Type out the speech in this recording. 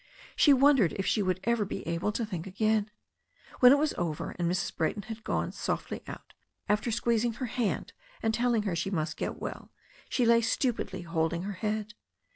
She wondered if she would ever be able to think again. When it was over, and Mrs. Bra)rton had gone softly out, after squeezing her hand, and telling her she must get well, she lay stupidly holding her head.